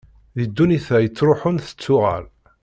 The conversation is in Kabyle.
Di ddunit-a ittruḥun tettuɣal